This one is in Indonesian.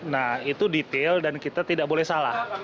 nah itu detail dan kita tidak boleh salah